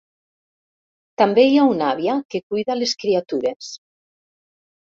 També hi ha una àvia que cuida les criatures.